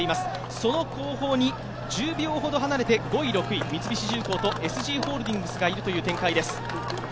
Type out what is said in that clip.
その後方に１０秒ほど離れて５、６位、三菱重工とＳＧホールディングスがいるという展開です。